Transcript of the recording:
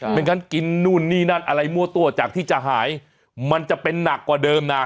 ไม่งั้นกินนู่นนี่นั่นอะไรมั่วตัวจากที่จะหายมันจะเป็นหนักกว่าเดิมนะ